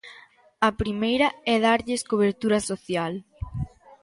A primeira é darlles cobertura social.